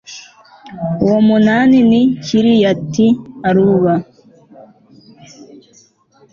uwo munani ni kiriyati aruba